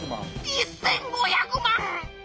１，５００万！